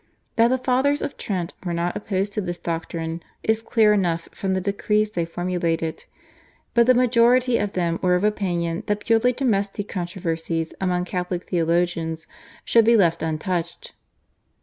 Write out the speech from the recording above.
That the Fathers of Trent were not opposed to this doctrine is clear enough from the decrees they formulated, but the majority of them were of opinion that purely domestic controversies among Catholic theologians should be left untouched.